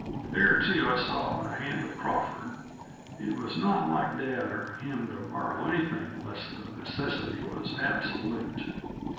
There, too, I saw the hand of Crawford; it was not like dad or him to borrow anything unless the necessity was absolute.